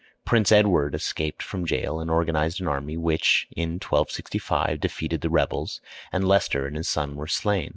Prince Edward escaped from jail and organized an army, which in 1265 defeated the rebels, and Leicester and his son were slain.